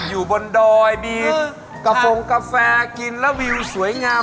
อยู่บนดอยมีกระโฟงกาแฟกินแล้ววิวสวยงาม